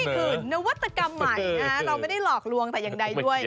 คือนวัตกรรมใหม่เราไม่ได้หลอกลวงแต่อย่างใดด้วย